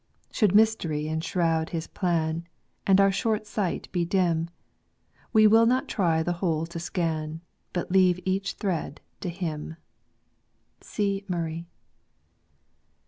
Should mystery enshroud his plan, And our short sight be dim. We will not try the whole to scan, But leave each thread to Him." C, Murray.